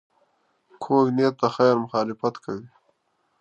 کوږ نیت د خیر مخالفت کوي